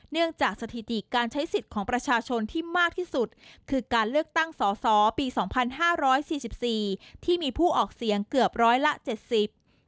จากสถิติการใช้สิทธิ์ของประชาชนที่มากที่สุดคือการเลือกตั้งสอสอปีสองพันห้าร้อยสี่สิบสี่ที่มีผู้ออกเสียงเกือบร้อยละเจ็ดสิบ